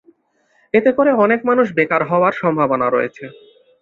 এতে করে অনেক মানুষ বেকার হওয়ার সম্ভাবনা রয়েছে।